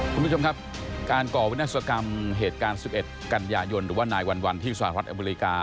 คุณผู้ชมครับการก่อวินาศกรรมเหตุการณ์๑๑กันยายนหรือว่านายวันที่สหรัฐอเมริกา